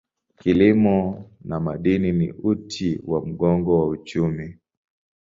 Kilimo na madini ni uti wa mgongo wa uchumi.